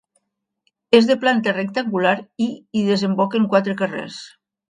És de planta rectangular i hi desemboquen quatre carrers.